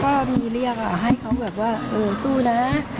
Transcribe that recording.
ก็มีเรียกให้เขาแบบว่าเออสู้นะ